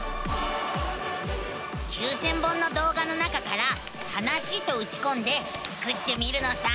９，０００本の動画の中から「はなし」とうちこんでスクってみるのさ。